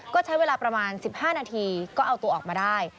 ก็ใช้เวลาประมาณ๑๕นาทีก็เอาตัวออกมาได้